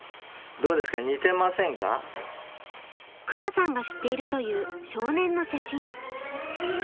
鞍さんが知っているという少年の写真。